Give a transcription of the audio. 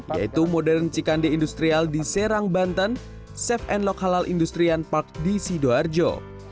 yaitu modern cikande industrial di serang banten safe and lock halal industrian park di sido harjo